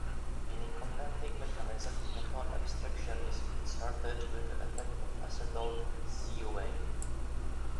In a competing mechanism, proton abstraction is concerted with the attack of acetyl CoA.